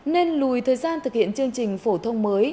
nên lùi thời gian thực hiện chương trình phổ thông mới